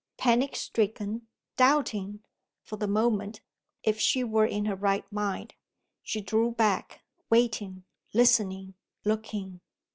Panic stricken; doubting, for the moment, if she were in her right mind, she drew back, waiting listening looking.